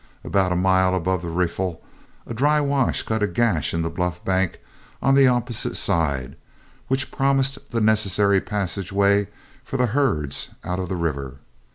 About a mile above the riffle, a dry wash cut a gash in the bluff bank on the opposite side, which promised the necessary passageway for the herds out of the river.